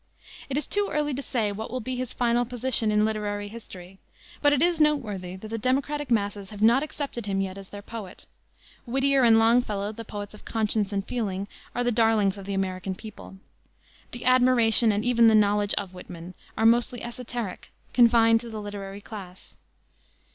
It is too early to say what will be his final position in literary history. But it is noteworthy that the democratic masses have not accepted him yet as their poet. Whittier and Longfellow, the poets of conscience and feeling, are the darlings of the American people. The admiration, and even the knowledge of Whitman, are mostly esoteric, confined to the literary class.